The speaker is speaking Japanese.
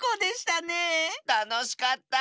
たのしかった。